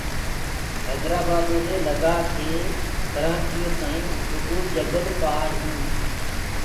هيدرآبآدو دي لگآڪي ڪرآچيو تآئينٚ رگو جبل پهآڙينٚ